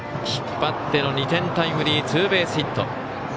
引っ張っての２点タイムリーツーベースヒット。